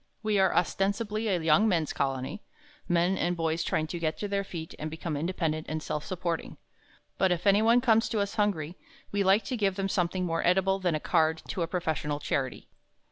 We are ostensibly a young men's colony men and boys trying to get to their feet and become independent and self supporting. But if anyone comes to us hungry, we like to give them something more edible than a card to a professional charity.